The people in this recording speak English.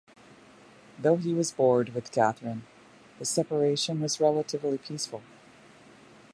Though he was "bored" with Catherine, the separation was relatively peaceful.